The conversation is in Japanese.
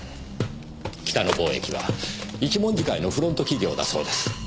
北野貿易は一文字会のフロント企業だそうです。